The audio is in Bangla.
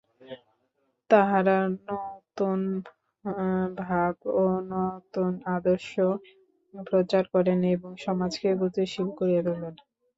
তাঁহারা নূতন ভাব ও নূতন আদর্শ প্রচার করেন এবং সমাজকে গতিশীল করিয়া তোলেন।